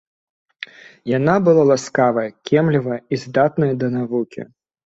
Яна была ласкавая, кемлівая і здатная да навукі